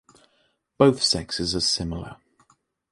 Both sexes are similar.